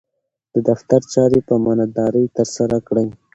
د دفتر چارې په امانتدارۍ ترسره کړئ.